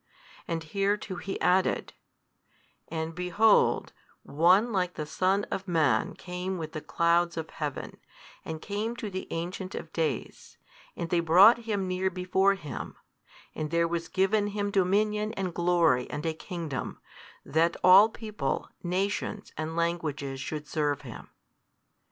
And hereto he added, And behold one like the Son of Man came with the clouds of heaven, and came to the Ancient of Days, and they brought Him near before Him, and there was given Him dominion and glory and a kingdom, that all people, nations, and languages should serve Him.